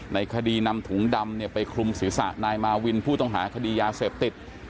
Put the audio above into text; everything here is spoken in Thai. ในคดีนำถุงดำไปคลุมศีรษะนายมาวินผู้ต้องหาคดียาเสพติด